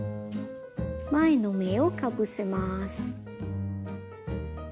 前の目をかぶせます。